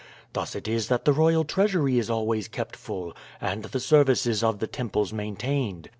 Thus it is that the royal treasury is always kept full, and the services of the temples maintained.